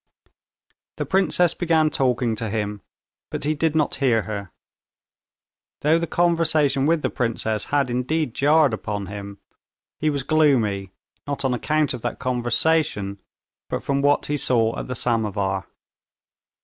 The princess began talking to him, but he did not hear her. Though the conversation with the princess had indeed jarred upon him, he was gloomy, not on account of that conversation, but from what he saw at the samovar.